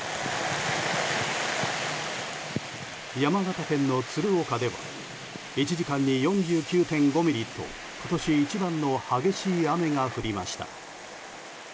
山形県の鶴岡では１時間に４９．５ミリと今年一番の激しい雨が降りました。